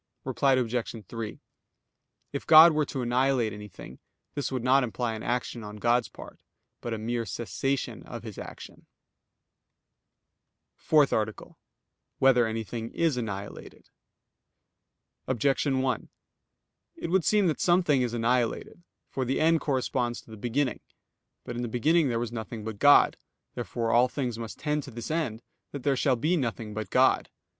Reply Obj. 3: If God were to annihilate anything, this would not imply an action on God's part; but a mere cessation of His action. _______________________ FOURTH ARTICLE [I, Q. 104, Art. 4] Whether Anything Is Annihilated? Objection 1: It would seem that something is annihilated. For the end corresponds to the beginning. But in the beginning there was nothing but God. Therefore all things must tend to this end, that there shall be nothing but God.